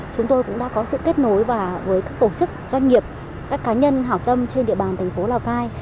chúng tôi cũng đã có sự kết nối và với các tổ chức doanh nghiệp các cá nhân hảo tâm trên địa bàn thành phố lào cai